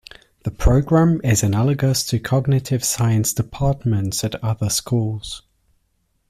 The program is analogous to cognitive science departments at other schools.